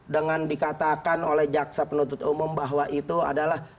dengan dikatakan oleh jaksa penuntut umum bahwa itu adalah